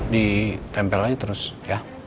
ditempel aja terus ya